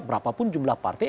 berapapun jumlah partai